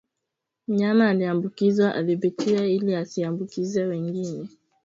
Mnyama aliyeambukizwa adhibitiwe ili asiambukize wengine